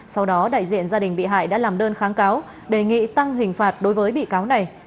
sau đó đại diện gia đình bị hại đã làm đơn kháng cáo đề nghị tăng hình phạt đối với bị cáo này